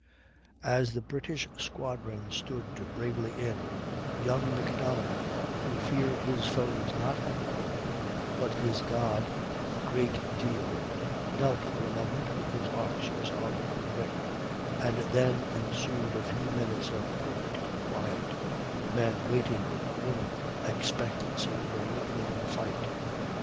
As the English squadron stood bravely in, young Macdonough, who feared his foes not at all, but his God a great deal, knelt for a moment, with his officers, on the quarter deck; and then ensued a few minutes of perfect quiet, the men waiting with grim expectancy for the opening of the fight.